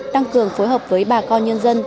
tăng cường phối hợp với bà con nhân dân